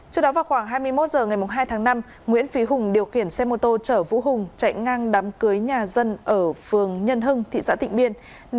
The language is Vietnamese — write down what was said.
trước đó vào khoảng hai mươi một h ngày hai tháng năm nguyễn phí hùng điều khiển xe mô tô chở vũ hùng chạy ngang đám cưới nhà dân ở phường nhân hưng thị xã tịnh biên